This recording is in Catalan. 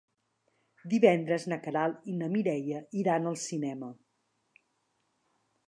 Divendres na Queralt i na Mireia iran al cinema.